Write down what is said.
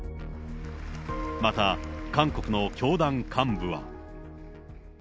また、韓国の教団幹部は。